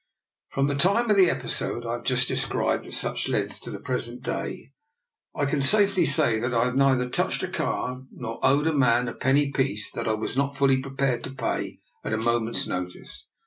From the time of the episode I have just described at such length to the present day, I can safely say that I have neither touched a card nor owed a man a penny piece that I was not fully prepared to pay at a moment's notice.